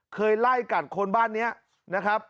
เคยไล่กัดคนบ้านนี้นะครับ